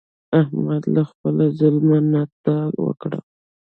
احمد له خپله ظلمه نټه وکړه.